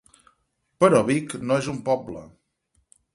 Però Vic no és un poble.